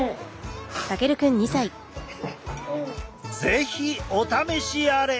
是非お試しあれ！